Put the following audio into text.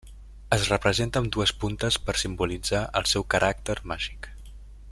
Es representa amb dues puntes per simbolitzar el seu caràcter màgic.